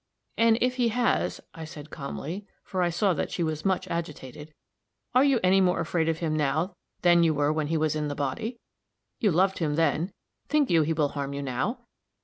"And if he has," I said, calmly, for I saw that she was much agitated, "are you any more afraid of him now than you were when he was in the body? You loved him then; think you he will harm you now?